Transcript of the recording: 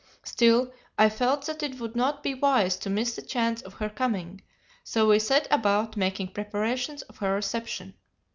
Still, I felt that it would not be wise to miss the chance of her coming, so we set about making preparations for her reception.